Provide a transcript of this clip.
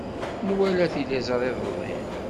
Nwala tiliẓri iḍelli.